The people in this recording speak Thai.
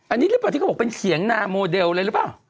อันนี้หรือเปล่าที่เขาบอกเป็นเขียงนาโมเดลเลยหรือเปล่า